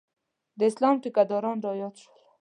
د اسلام ټیکداران رایاد شول.